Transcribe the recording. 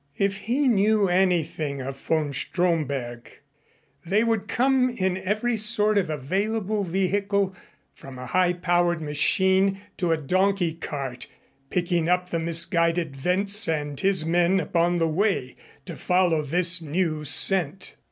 If he knew anything of von Stromberg, they would come in every sort of available vehicle, from a high powered machine to a donkey cart, picking up the misguided Wentz and his men upon the way to follow this new scent.